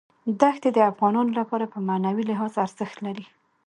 دښتې د افغانانو لپاره په معنوي لحاظ ارزښت لري.